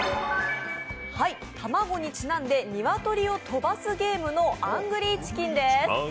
卵にちなんで、鶏を飛ばすゲームの「アングリーチキン」です。